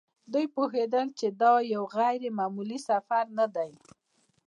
دوی پوهېدل چې دا یو غیر معمولي سفر نه دی.